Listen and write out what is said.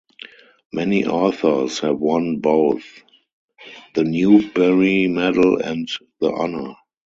Many authors have won both the Newbery Medal and the Honor.